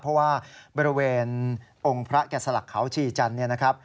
เพราะว่าบริเวณองค์พระแก่สลักเขาชี่จันทร์